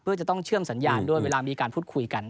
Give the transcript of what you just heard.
เพื่อจะต้องเชื่อมสัญญาณด้วยเวลามีการพูดคุยกัน